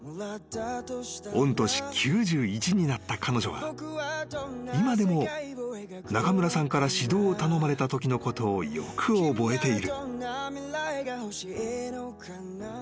御年９１になった彼女は今でも中村さんから指導を頼まれたときのことをよく覚えている］